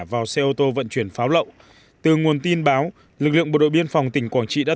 vào xe ô tô vận chuyển pháo lậu từ nguồn tin báo lực lượng bộ đội biên phòng tỉnh quảng trị đã